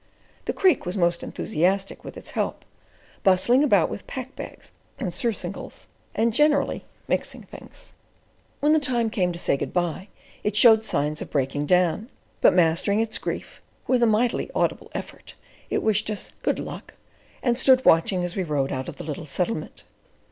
The Creek was most enthusiastic with its help, bustling about with packbags and surcingles, and generally "mixing things." When the time came to say good bye it showed signs of breaking down; but mastering its grief with a mightily audible effort, it wished us "good luck," and stood watching as we rode out of the little settlement.